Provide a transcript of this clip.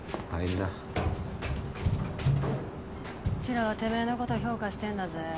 うちらはてめぇのこと評価してんだぜ。